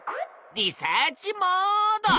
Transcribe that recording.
リサーチモード！